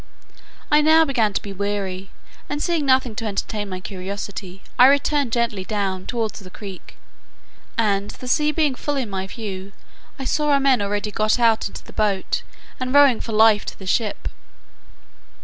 I now began to be weary, and seeing nothing to entertain my curiosity, I returned gently down towards the creek; and the sea being full in my view, I saw our men already got into the boat, and rowing for life to the ship.